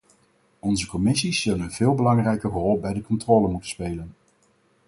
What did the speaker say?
Onze commissies zullen een veel belangrijkere rol bij de controle moeten spelen.